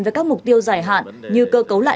với các mục tiêu dài hạn như cơ cấu lại